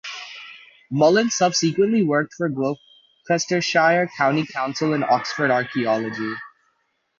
Mullin subsequently worked for Gloucestershire County Council and Oxford Archaeology.